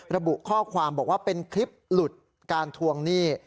ระบุข้อความบอกว่าเป็นคลิปหลุดการทวงหนี้